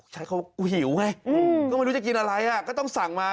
ใช้คำว่าหิวไงก็ไม่รู้จะกินอะไรอ่ะก็ต้องสั่งมา